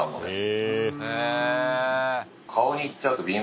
へえ！